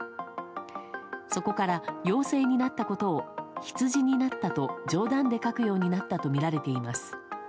そこから陽性になったことを羊になったと冗談で書くようになったとみられています。